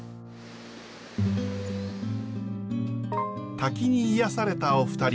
滝に癒やされたお二人。